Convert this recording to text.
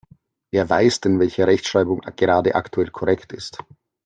Wer weiß denn, welche Rechtschreibung gerade aktuell korrekt ist?